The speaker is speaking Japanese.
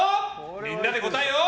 みんなで答えを。